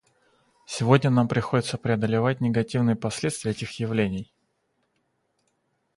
Сегодня нам приходится преодолевать негативные последствия этих явлений.